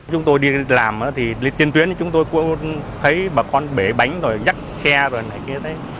chúng tôi đi làm thì trên chuyến chúng tôi cũng thấy bà con bể bánh rồi nhắc xe rồi này kia thấy